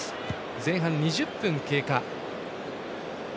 前半２０分経過。